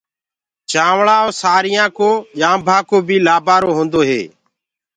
چآوݪآ ڪو سآريآ ڪو ڄآنٚڀآ ڪو بي لآبآرو هيندو هي۔